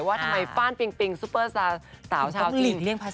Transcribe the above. ว่าทำไมฟ่านปิงปิงซุปเปอร์สสาวชาวจีนเลี่ย